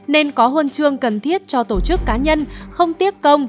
nên có hôn trương cần thiết cho tổ chức cá nhân không tiếc công